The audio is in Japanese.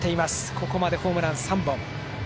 ここまでホームラン３本。